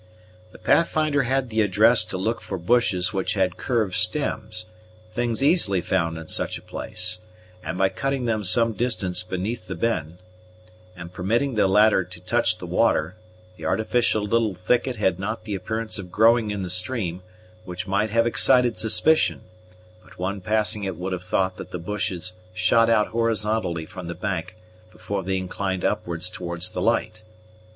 The Pathfinder had the address to look for bushes which had curved stems, things easily found in such a place; and by cutting them some distance beneath the bend, and permitting the latter to touch the water, the artificial little thicket had not the appearance of growing in the stream, which might have excited suspicion; but one passing it would have thought that the bushes shot out horizontally from the bank before they inclined upwards towards the light.